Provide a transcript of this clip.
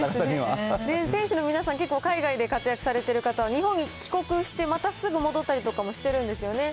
選手の皆さん、結構海外で活躍されてる方、日本に帰国して、またすぐ戻ったりとかもしてるんですよね。